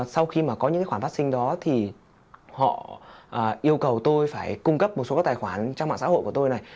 sau khi mà có những cái khoản phát sinh đó thì họ yêu cầu tôi phải cung cấp một số các tài khoản trang mạng xã hội của tôi này